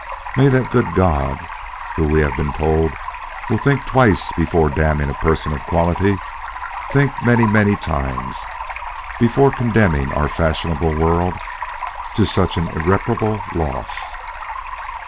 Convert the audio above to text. May that good God, who we have been told "will think twice before damning a person of quality," think many, many times before condemning our fashionable world to such an irreparable loss!